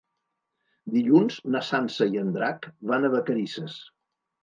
Dilluns na Sança i en Drac van a Vacarisses.